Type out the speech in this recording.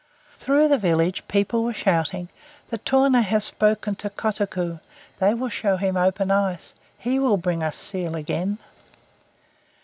Through the village people were shouting: "The tornait have spoken to Kotuko. They will show him open ice. He will bring us the seal again!"